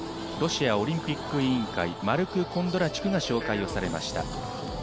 ロシアオリンピック委員会、マルク・コンドラチュクが紹介されました。